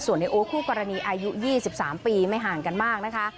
ในโอ๊ตคู่กรณีอายุ๒๓ปีไม่ห่างกันมากนะคะ